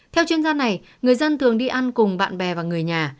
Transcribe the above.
theo chuyên gia này người dân thường đi ăn cùng bạn bè và người nhà